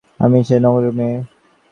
আমি যে নুরনগরেরই মেয়ে।